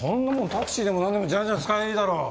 タクシーでも何でもじゃんじゃん使えばいいだろう。